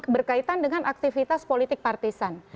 berkaitan dengan aktivitas politik partisan